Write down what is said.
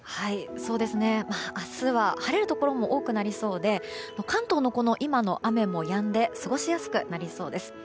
明日は晴れるところも多くなりそうで関東の今の雨もやんで過ごしやすくなりそうです。